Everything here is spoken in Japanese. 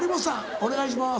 お願いします。